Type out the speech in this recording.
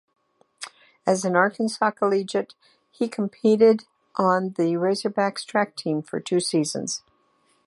As an Arkansas collegiate, he competed on the Razorbacks' track team for two seasons.